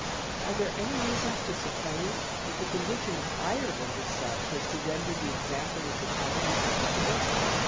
Are there any reasons to suppose that the condition of Ireland is such as to render the example of the Colonies applicable?